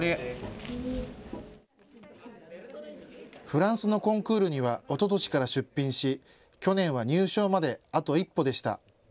フランスのコンクールにはおととしから出品し去年は入賞まであと一歩でした。